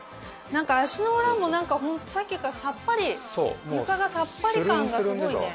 なんか足の裏もさっきからさっぱり床がさっぱり感がすごいね。